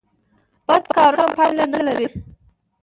بد کارونه پایله نلري